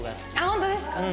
本当ですか？